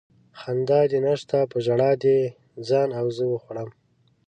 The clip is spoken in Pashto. خندا دې نشته په ژړا دې ځان او زه وخوړم